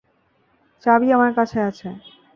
চাবি আমার কাছে আছে।